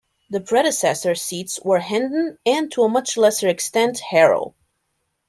The predecessor seats were Hendon and to a much lesser extent Harrow.